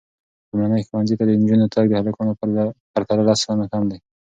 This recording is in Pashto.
لومړني ښوونځي ته د نجونو تګ د هلکانو په پرتله لس سلنه کم دی.